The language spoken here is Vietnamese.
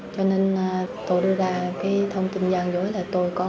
cho nên tôi đưa ra cái thông tin gian dối là tôi có